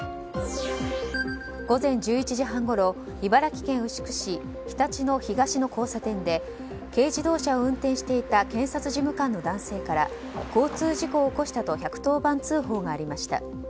午前１１時半ごろ茨城県牛久市ひたち野東の交差点で軽自動車を運転していた検察事務官の男性から交通事故を起こしたと１１０番通報がありました。